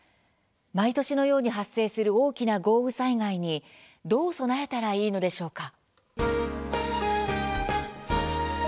毎年のように発生する大きな豪雨災害にどう備えたらいいのでしょうか？